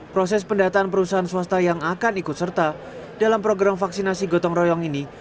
proses pendataan perusahaan swasta yang akan ikut serta dalam program vaksinasi gotong royong ini